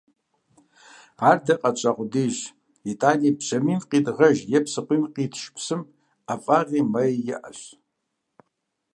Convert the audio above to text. Ар дэ къэтщӀа къудейщ, итӀани бжьамийм къидгъэж е псыкъуийм къитш псым ӀэфӀыгъи, мэи иӀэщ.